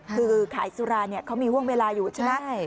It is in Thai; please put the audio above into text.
คือขายสุราเนี่ยเขามีห่วงเวลาอยู่ใช่ไหม